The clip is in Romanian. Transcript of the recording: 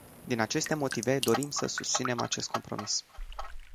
Din aceste motive, dorim să susținem acest compromis.